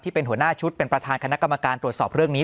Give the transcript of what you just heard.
เป็นหัวหน้าชุดเป็นประธานคณะกรรมการตรวจสอบเรื่องนี้